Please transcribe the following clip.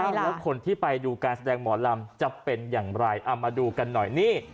แล้วคนที่ไปดูการแสดงหมอลำจะเป็นอย่างไรเอามาดูกันหน่อยนี่